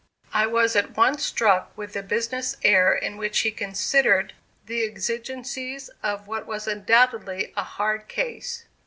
I was at once struck with the business air in which he considered the exigencies of what was undoubtedly a hard case.